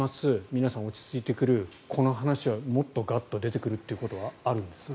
皆さん、落ち着いてくるこの話が、もっとガッと出てくるということはあるんですか？